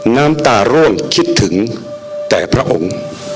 น้ำตาร่วงคิดถึงแต่พระองค์